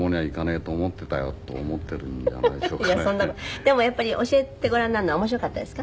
でもやっぱり教えてごらんになるのは面白かったですか？